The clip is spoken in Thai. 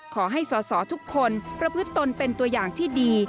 ขอให้สอสอทุกคนประพฤติตนเป็นตัวอย่างที่ดี